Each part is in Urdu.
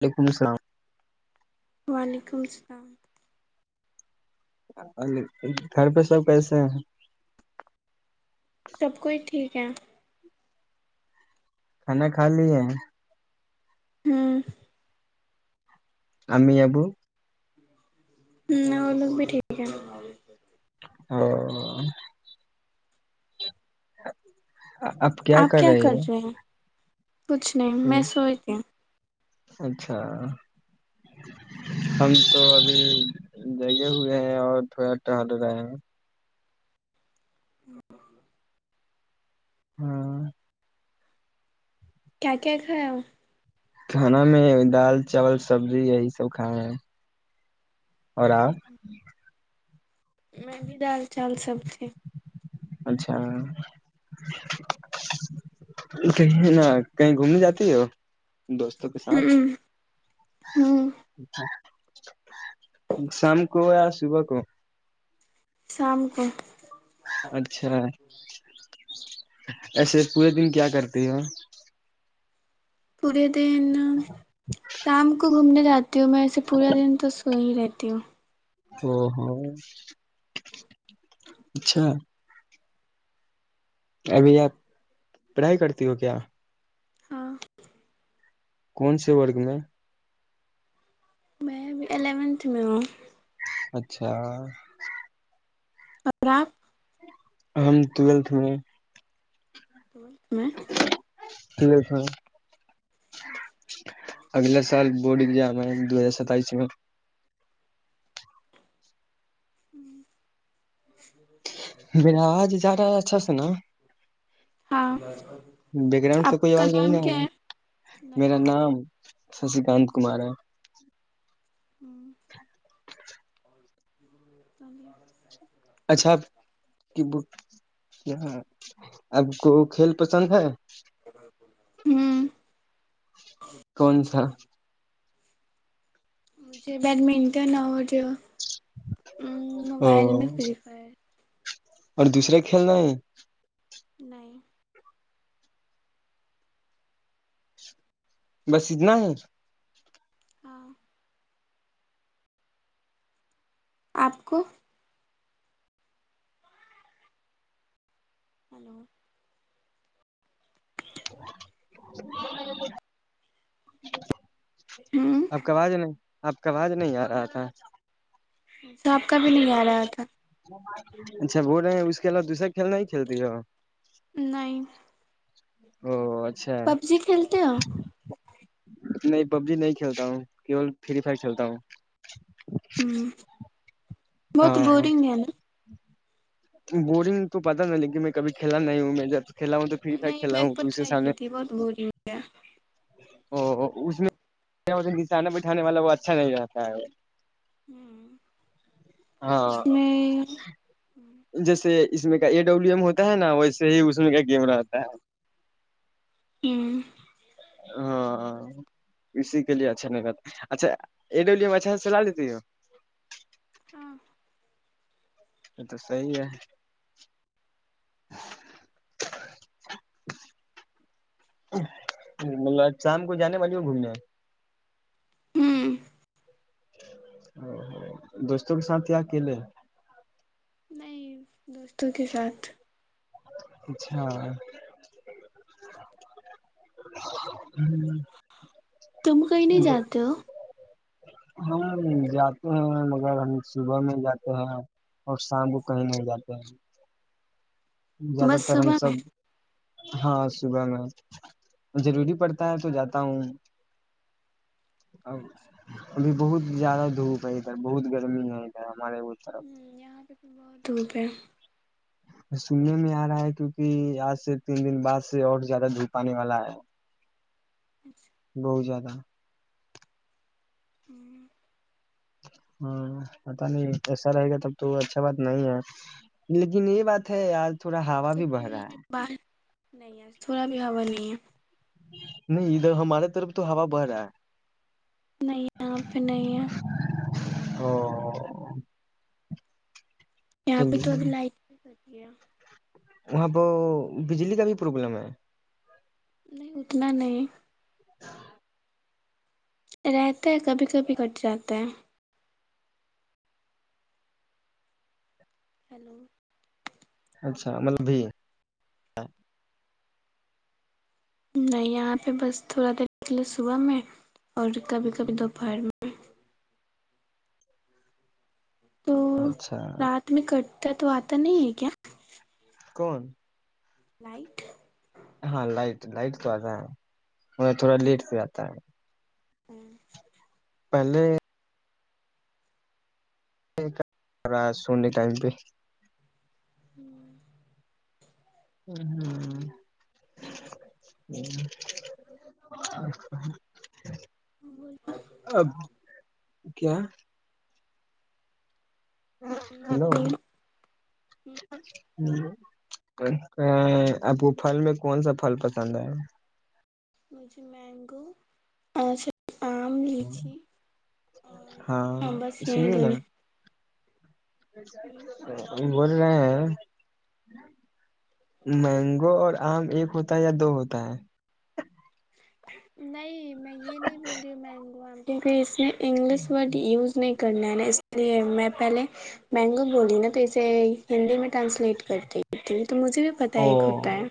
وعلیکم السلام وعلیکم السلام گھر پہ سب کیسے ہیں سب کوئی ٹھیک ہے کھانا کھا لیے ہیں [unintelligible] ہممی ابو ہ وہ لوگ بھی ٹھیک ہے [unintelligible] اب کیا آپ کر رہی ہے رہے ہیں کچھ نہیں میں سوچتیوں اچھا ہم تو ابھی جگے ہوئے ہیں اور تھوڑا ٹہل رہے ہیں ہاں کیا کیا کھایا وہ کھانا میں دال چاول سبزی یہی سب کھائے ہیں اور آپ م بھی دال چالول سب تھھی اچھا کہیے نہ کہیں گھومنے جاتی ہو دوستوں کے ساتھ ہوں ہوں شام کو یا صبح کو شام کو اچھا ایسے پورے دن کیا کرتے ہو پورے دن تام کو گھومنے جا تو میںسے پورا دن تو وہی رہتی ہوں او ہ اچھا ابھی یا پڑھائی کرتی ہو کیا ہاں کون سے ورگ میں میں ابھی الیونتھ میں ہوں اچھا اراک ہم ٹویلتھ میں میں [unintelligible] [inaudible] اگلا سال بورڈ ایگزام ہے دو ہزار ستائیس میں کنا ہاں بیک گراؤنڈ آپ سے کوئی کا اواز نام کیا نہیں ہے میرا نام سسی گاند کمار ہے [unintelligible] [inaudible] اچھا کی یہاں آب کو کھیل پسند ہے ہوں کون سا مجھے بیڈمنٹن اور جو ام او موبائل میں فری فائر اور دوسرا کھیلنا ہے نہیں بس اتنا ہے ہاں آپ کو ہلو [unintelligible] [inaudible] ہوں اب ک آج ج نہیں اب کاواز نہیں آ رہا تھا ایسا آپ کا بھی نہیں آ رہا تھا اچھا بول رہے ہیں اس کے علاوہ دوسرا کھیل نہیں کھیلتی ہے نہیں [unintelligible] پب جی کھیلتے ہو نہیں پب جی نہیں کھیلتا ہوں فری فائر چلتا ہوں [unintelligible] بہت ہاں ہاں بورورنگ ہے نا بورنگ تو پتاہ نا لیکن میں کبھی کھیلا نہیں ہوں میں جب کھیلا ہوں تو فری فائر نہیں کھیلا میں ایک ہوں پر تو اس کے ٹرائی سامنے کی تھی بہت بری ہویا او اس میں نانا بٹھانے والا وہ اچھا نہیں رہتا ہے اس ہاں میں جیسے اس میں کا ا ڈبلو ایم ہوتا ہے نا ویسے ہی اس میں کا کیمرا ہوتا ہے [unintelligible] ہاں اسی کے لیے اچھا نہیں لگتا اچھا اچھا سےچلا لیتی ہو ہاں صحیح ہے شام کو جانے والی ہوں گھومنے ہوں دوستوں کے ساتھ کیا اکیلے نہیں دوستوں کے ساتھ اچھا تم کہیں نہیں جاتے ہو ہم جاتے ہیں مگر ہم صبح میں جاتے ہیں اور شام کو کہیں نہیں جاتے ہیں زیادہ بس تر ہم صبح س میں ہاں صبح میں ضروری پڑتا ہے تو جاتا ہوں اب ابھی بہت زیادہ دھوپ ہے ادھر بہت گرمی ہے ادھر ہمارے اس طرف یہاں پہ تو بہت دھوپ ہے سننے میں آ رہا ہے کیونکہ آج سے تین دن بعد سے اور زیادہ دھوپ آنے والا ہے اچھا بہت زیادہ ہمم ہاں پتا نہیں ایسا رہے گا تب تو اچھا بات نہیں ہے لیکن یہ بات ہے آج تھوڑا اب ہوا تو بھی بڑھ کوئی رہا ہے باہر نہیں ایس تھوڑا بھی ہووا نہیں ہے نہیں ادھر ہمارے طرف تو ہوا بھ رہا ہے نہیں یہاں پہ نہیں ہے اوہ یہاں پہ تو ابھی لائٹ یا وہاں بو بجلی کا بھی پروابلم ہے نہیں اتنا نہیں [inaudible] [unintelligible] رہتا ہے کبھی کبھی کٹ جاتا ہے ہیلو اچھا مطلب بھی نہیں یہاں پہ بس تھوڑا دیر نکلے صبح میں اور کبھی کبھی دوپہر میں تو اچھا رات میں کٹ ت تو آتا نہیں ہے کیا کون لائٹھ ہاں لائٹ لائٹ تو آتا ہے میں تھوڑا لیٹ پہ آتا ہے [unintelligible] پہلے رہا، سناؤ نا، وقت پر۔ ہوں ہ ہ ہ اچھا ہ وہ کیا ہیلو بولیے ہ آپ کو پھل میں کون سا پھل پسند ہے مجھے مینگو آم لیچی اور ہاں بس یہیں گیں بت رہے مینگو اور آم ایک ہوتا ہے یا دو ہوتا ہے نہیں میں یہ نہیں بول رہی ہ مگو کیونکہ اس میں انگلش وورڈ یوز نہیں کرنا ہے نا اس لیے میں پہلے مینگو بولی نا تو اسے ہندی میں ٹرانسلیٹ کرتی تھی تو مجھے بھی پت او ایک ہوتا ہے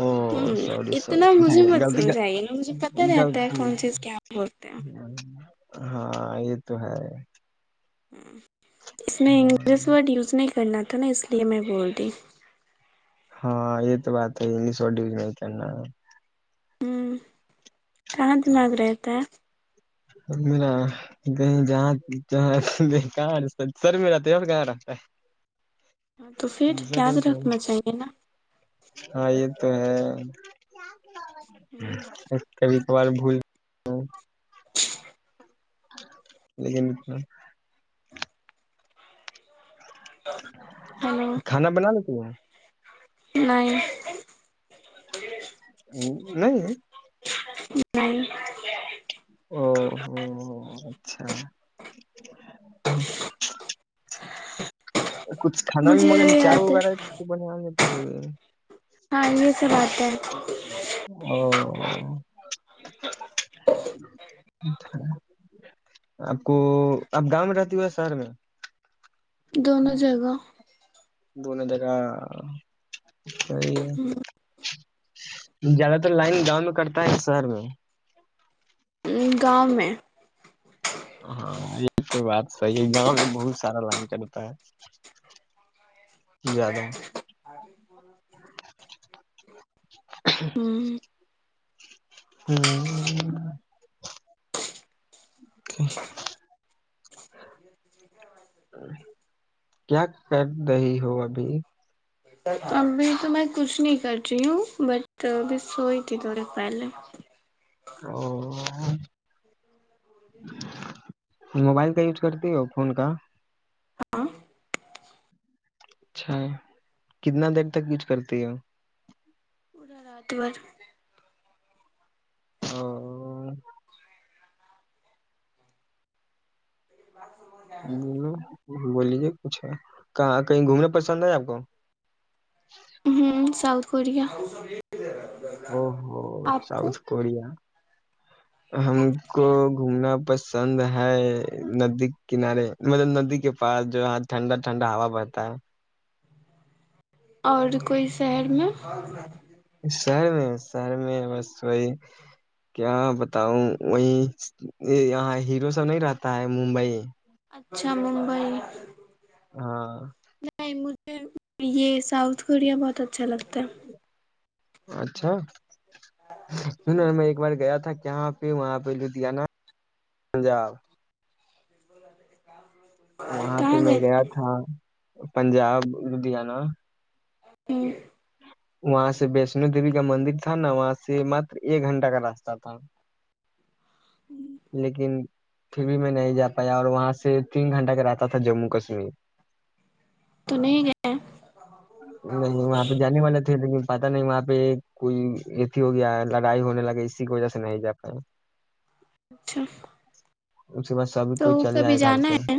او ہ سوری سلط اتنا مجھے مت سمجھائیے نا مجھے پتہ رہتا ہے کون چیز کیا بولتے ہیں ہاں یہ تو ہے ہ اس میں انگلش ورڈ یوزنے کے کرنا تھا نا اس لیے میں بول رہ ہاں یہ تو بات ہے انگلش ورڈ یوز نہیں کرنا ہوں کہاں دماغ رہتا ہے ما کہ جہ جہ کہاں سر میرا ت کہاں رہتا ہے ہاں تو پھر دوسرا یاد کہیں تو رکھنا چاہیے نا ہاں یہ تو ہے کبھی ا بول لیکن انا ہم ہو نہیں ا نہیں ہ او ہو اچھا ج ہاں کچھ کھانا میں مجھے مغیر چائے یاد ہے وغیرہ تو بڑیں گے ج وغیرہ ہاں یہ سب بات ہے او آپ کو آپ گاؤں میں رہتی ہوا شہر میں دونوں جگہ بون د کا سی ہے زیادہ تر لائن گاؤں میں کرتا ہے شہر میں گاؤں میں ہاں یہ تو بات صحیح ہے گاؤں میں بہت سارا لائن چلتا ہے زیادہ ہوں ہ کیا کر دی ہو ابھی ابھی تو میں کچھ نہیں کر رہی ہوں بٹ ابھی سوئی تھی تھوڑی پہلے او موبائل کا یوز کرتی ہو فون کا ہاں اچھا کتنا دیر تک یچ کرتی ہے پورا رات بر اچھا بولیجے کچھ ہے کہاں کہیں گھومنا پسند ہے آپ کو ساؤتھ کوریا او ہو آپ کو ساؤتھ کوریا ہم کو گھومنا پسند ہے ندی کنارے مطلب ندی کے پاس جو یہاں ٹھنڈا ٹھنڈا ہوا بہتا ہے اور کوئی شہر میں شہر میں شہر میں بس وہی کیا بتاؤں وہی یہاں ہیرو سب نہیں رہتا ہے ممبئی اچھا ممبئی ہاں نہیں یہ ساؤتھ کوریا بہت اچھا لگتا ہے اچھا سنا میں ایک بار گیا تھا کہاں وہاں پہ لدھیانہ پنجاب کام کر وہاں پہ میں گیا تھا پنجاب لدیاانہ ہ وہاں سے ویشنو دیوی کا مندر تھا نا وہاں سے مات ایک گھنٹہ کا راستہ تھا لیکن پھر بھی میں نہیں جا پایا اور وہاں سے تین گھنٹہ کا رہاتتا تھا جموں کشمیر تو نہیں گئے نہیں وہ نے والے تھے لیکن پتا نہیں وہاں پہ کوئی اھی ہو گیا لڑائی ہونے لگی اسی کی وجہ سے نہیں جا پائے اچھا اس کے بعد سبھی تو کوئی چلے کبھی جائے گھر جانا پہ ہے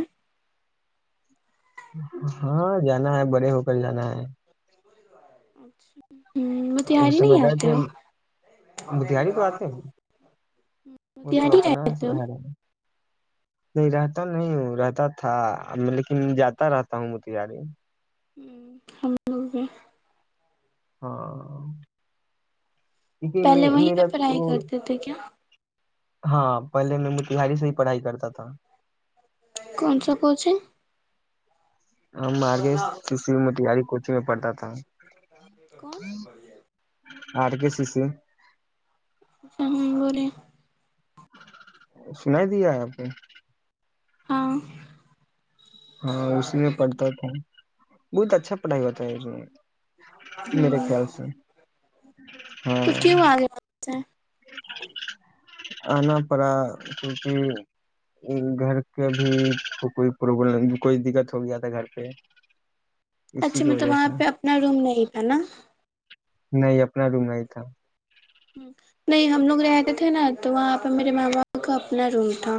ہاں جانا ہے بڑے ہو کر جانا ہے ہوں وہ موتہاری نہیں سمجھ گئے آتے تھے ہو متہاری تو آتے ہیں وہ تو موتہاری اپنا رہتے ہو نہیں رہتا نہیں ہوں رہتا تھا لیکن جاتا رہتا ہوں متیاری ہ ہم ل پ [unintelligible] ہاں کیونکہ پہلے می- وہیں پہ میرا تو پڑھائی کرتے تھے کیا ہاں پہلے میں م تہاری سے ہی پڑھائی کرتا تھا کون سا کونچے ہم مارگ سس مٹ یاری میں پڑتا تھا کون [unintelligible] آر کے سی س اچ ہ بولے سناائی دیا ہے آپ نے ہاں ہاں اس میں پڑتا تھا بہت اچھا پڑھائی ہوتا ہے اس میرے ہوں خیال سے ہاں تو کیوں آگے وہاں سے ہ [unintelligible] آنا پڑا کیونکہ گھر کے بھی تو کوئی پرابلم کوئی دقت ہو گیا تھا گھر پہ اسی اچھا کی مطلب وجہ وہاں سے پہ اپنا روم نہیں تھا نا نہیں اپنا روم نہیں تھا نہیں ہم لوگ رہتے تھے نا تو وہاں پہ میرے ماما کا اپنا روم تھا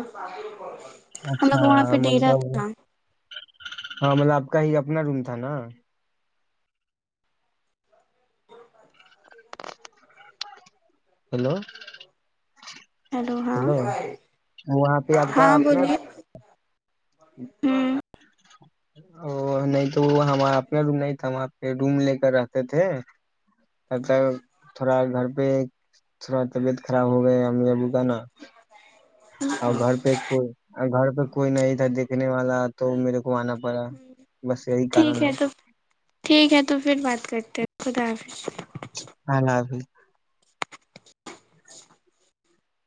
ہم لوگ اچھا کو وہاں پہ ڈے رہا مطلب تھا نا ہاں مطلب آپ کا ہی اپنا روم تھا نا ہیلو ہیلو ہاں ہلو ہاں بولیے ہ ہوں [unintelligible] ا نہیں تو وہ ہمنا ر نہیں تھا وہاں پہ روم لے کر رہتے تھے ا تھوڑا گھر پیک تھوا طبیعت خراب ہو گیا ا ابو کا نا اور گھر پہ کوئی گھر پہ کوئی نہیں تھادے بس یہی ٹھیک کارن ہے تو ٹھیک ہے تو پھر بات کرتے ہیں خدافظ ہ نہ بھی